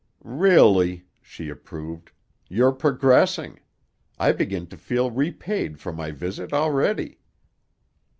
"Really," she approved, "you're progressing. I begin to feel repaid for my visit, already."